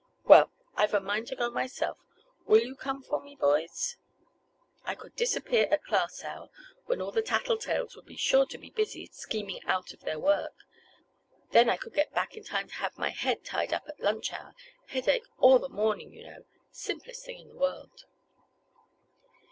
"Well, I've a mind to go myself. Will you come for me, boys? I could disappear at class hour, when all the 'tattle tales' will be sure to be busy, scheming out of their work. Then I could get back in time to have my head tied up at lunch hour—head ache all the morning, you know. Simplest thing in the world."